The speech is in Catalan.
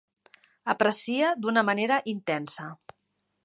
Aprecia d'una manera intensa.